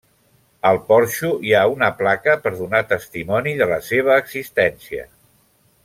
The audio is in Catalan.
Al porxo hi ha una placa per donar testimoni de la seva existència.